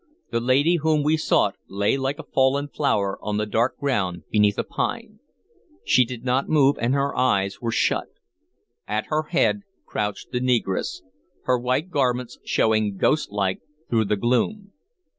The lady whom we sought lay like a fallen flower on the dark ground beneath a pine. She did not move, and her eyes were shut. At her head crouched the negress, her white garments showing ghostlike through the gloom.